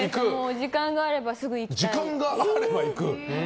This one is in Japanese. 時間があればすぐ行きたい。